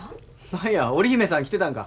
何や織姫さん来てたんか。